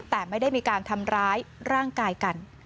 แต่ไม่ได้มีการทำร้ายร่างกายกัน